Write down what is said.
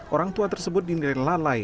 orang tua tersebut dinilai lalai